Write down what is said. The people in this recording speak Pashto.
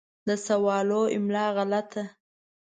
د سوالو املا غلطه